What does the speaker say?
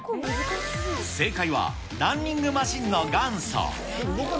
正解は、ランニングマシンの元祖。